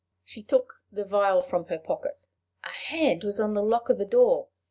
She took the vial from her pocket. A hand was on the lock of the door!